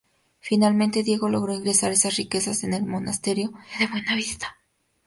Finalmente, Diego logró ingresar esas riquezas en el monasterio de Buenavista.